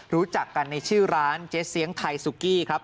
รู้จักกันในชื่อร้านเจ๊เสียงไทยสุกี้ครับ